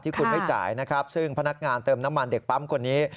คุณไม่จ่ายนะครับซึ่งพนักงานเติมน้ำมันเด็กปั๊มคนนี้